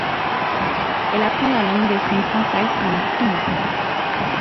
Elle apprend la langue des signes française pendant six mois.